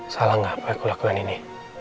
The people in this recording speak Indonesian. salah gak apa yang gue lakukan ini